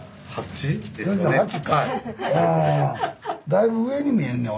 だいぶ上に見えんねん